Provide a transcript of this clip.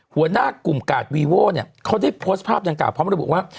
หัวหน้ากลุ่มกาสวีโว้เขาได้โพสต์ภาพอย่างกล่าวพร้อมรูปว่า